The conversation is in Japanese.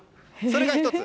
それが１つ。